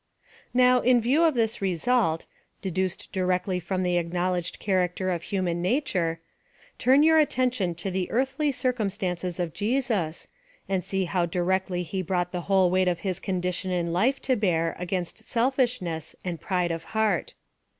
Now, in view of this result, deduced directly from the acknowledged character of human nature, turn your attention to the earthly circumstances of Jesus, and see how directly he brought the whole weight of his condition in life to bear against selfishness and pride of heart.